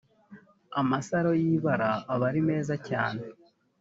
amasaro y ibara aba ri meza cyane